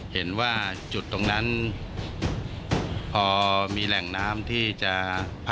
เห็นว่าจุดตรงนั้นพอมีแหล่งน้ำที่จะ